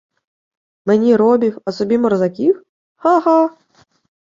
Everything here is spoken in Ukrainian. — Мені — робів, а собі морзаків? Ха-ха!